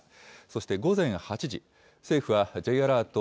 そして午前８時、政府はＪアラート